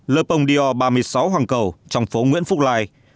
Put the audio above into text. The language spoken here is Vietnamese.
le pond dior ba mươi sáu hoàng cầu trong phố nguyễn phúc lai